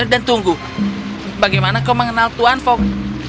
dan tunggu bagaimana kau mengenal tuan fog